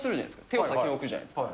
手を先に置くじゃないですか。